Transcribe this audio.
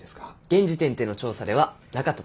現時点での調査ではなかったと。